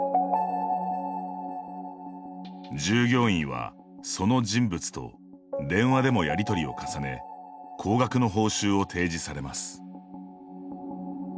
従業員はその人物と電話でもやりとりを重ね高額の報酬を提示されます。